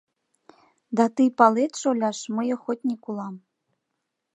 Да тый палет, шоляш, мый охотник улам.